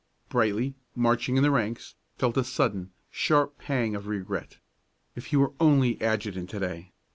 Brightly, marching in the ranks, felt a sudden, sharp pang of regret. If he were only adjutant to day!